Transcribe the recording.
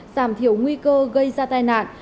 giảm thiểu nguy cơ gây ra tai nạn